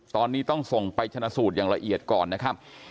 ตอนนี้ต้องส่งไปชนะสูตรอย่างละเอียดก่อนนะครับ